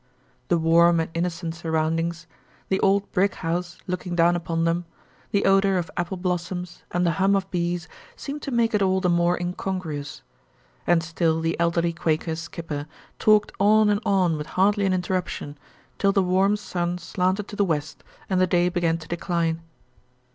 The warm and innocent surroundings, the old brick house looking down upon them, the odor of apple blossoms and the hum of bees seemed to make it all the more incongruous. And still the elderly Quaker skipper talked on and on with hardly an interruption, till the warm sun slanted to the west and the day began to decline.